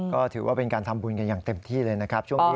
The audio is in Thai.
ก็ถือว่าเป็นการทำบุญกันอย่างเต็มที่เลยนะครับช่วงนี้